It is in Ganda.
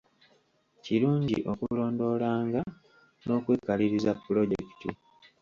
Kirungi okulondoolanga n'okwekaliriza pulojekiti.